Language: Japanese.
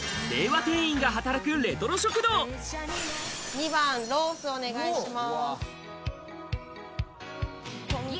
２番ロースお願いします。